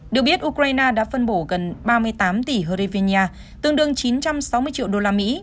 được biết ukraine đã phân bổ gần ba mươi tám tỷ hờ rê viên nha tương đương chín trăm sáu mươi triệu đô la mỹ